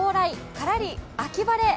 カラリ秋晴れ。